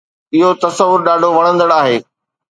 اهو تصور ڏاڍو وڻندڙ آهي